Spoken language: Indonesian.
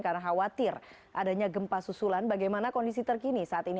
karena khawatir adanya gempa susulan bagaimana kondisi terkini saat ini